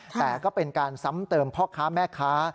แต่ก็เป็นการซ้ำเติมพ่อค้าแม่ค้า